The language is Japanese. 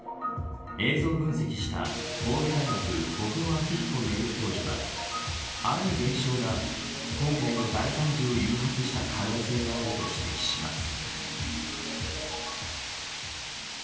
映像分析した神戸大学、北後明彦名誉教授はある現象が今回の大惨事を誘発した可能性があると指摘します。